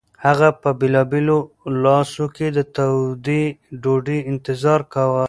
هغه په خپلو لاسو کې د تودې ډوډۍ انتظار کاوه.